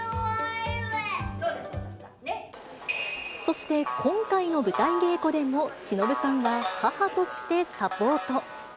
そして、今回の舞台稽古でも、しのぶさんは母としてサポート。